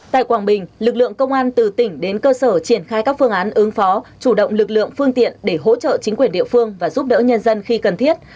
tại quảng bình lực lượng công an từ tỉnh đến cơ sở triển khai các phương án ứng phó chủ động lực lượng phương tiện để hỗ trợ chính quyền địa phương và giúp đỡ nhân dân khi cần thiết